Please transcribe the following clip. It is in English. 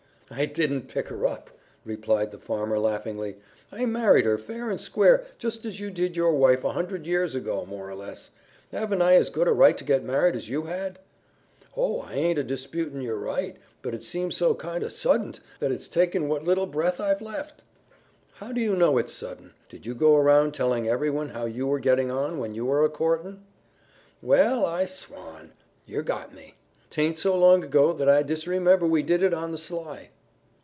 "I didn't pick her up," replied the farmer laughingly. "I married her fair and square just as you did your wife a hundred years ago, more or less. Haven't I as good a right to get married as you had?" "Oh, I aint a disputin' yer right, but it seems so kind o' suddint that it's taken what little breath I've left." "How do you know it's sudden? Did you go around telling everyone how you were getting on when you were a courting?" "Well, I swan! Yer got me. 'Taint so long ago that I disremember we did it on the sly."